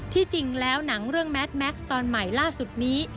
จริงแล้วหนังเรื่องแมทแม็กซ์ตอนใหม่ล่าสุดนี้